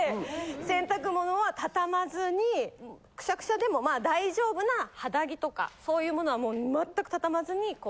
洗濯物は畳まずにくしゃくしゃでも大丈夫な肌着とかそういうものはもう全く畳まずにこう。